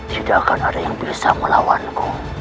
tidak akan ada yang bisa melawanku